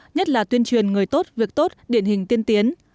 nhất là tuyên truyền người tốt việc tốt điển hình tiên tiến